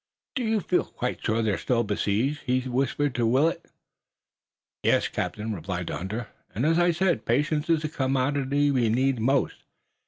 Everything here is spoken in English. "Do you feel quite sure that we're still besieged?" he whispered to Willet. "Yes, Captain," replied the hunter, "and, as I said, patience is the commodity we need most.